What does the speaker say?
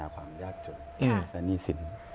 ความยากจนและหนี้สิน